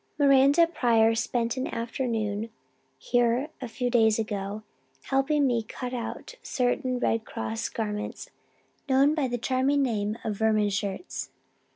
"Miranda Pryor spent an afternoon here a few days ago, helping me cut out certain Red Cross garments known by the charming name of 'vermin shirts.'